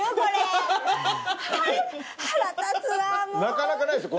なかなかないですよ